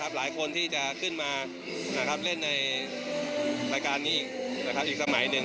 หลายคนที่จะขึ้นมาเล่นในรายการนี้อีกสมัยหนึ่ง